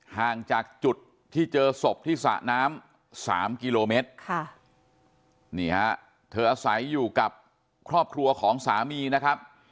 ห่างจากจุดที่เจอศพที่สระน้ำสามกิโลเมตรค่ะนี่ฮะเธออาศัยอยู่กับครอบครัวของสามีนะครับ